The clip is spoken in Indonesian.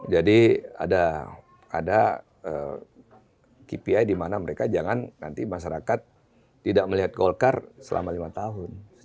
jadi ada kpi dimana mereka jangan nanti masyarakat tidak melihat golkar selama lima tahun